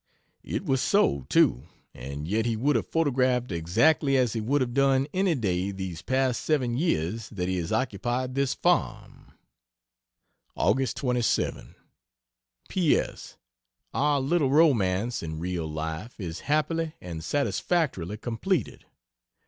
It was so, too and yet he would have photographed exactly as he would have done any day these past 7 years that he has occupied this farm. Aug. 27. P. S. Our little romance in real life is happily and satisfactorily completed.